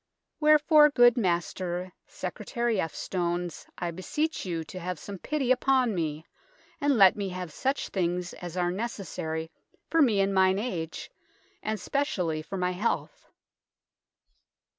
Wherefoor gode master secretarye eftsones I byseche you to have sum pittie uppon me, and latt me have such thyngs ass ar necessary for me in myn age, and specially for my health.